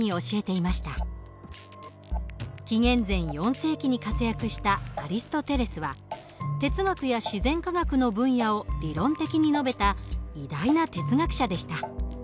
紀元前４世紀に活躍したアリストテレスは哲学や自然科学の分野を理論的に述べた偉大な哲学者でした。